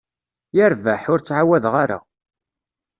Yerbeḥ, ur ttɛawadeɣ ara.